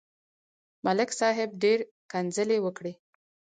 ملک صاحب ډېره کنځلې وکړې.